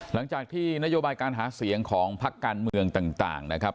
หลังจากที่นโยบายการหาเสียงของพักการเมืองต่างนะครับ